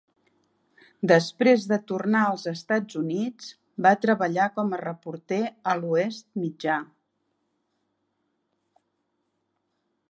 Després de tornar als Estats Units, va treballar com a reporter a l'Oest Mitjà.